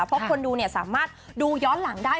เพราะคนดูสามารถดูย้อนหลังได้